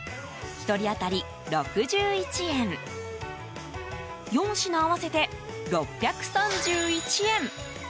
１人当たり６１円４品合わせて６３１円。